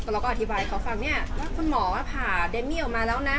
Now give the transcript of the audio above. เราก็อธิบายให้เขาฟังเนี่ยว่าคุณหมอผ่าเดมมี่ออกมาแล้วนะ